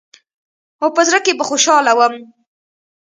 او په زړه کښې به خوشاله وم.